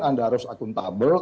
anda harus akuntabel